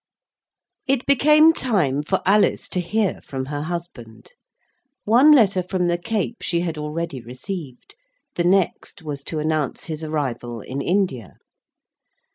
It became time for Alice to hear from her husband. One letter from the Cape she had already received. The next was to announce his arrival in India.